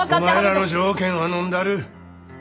お前らの条件はのんだる。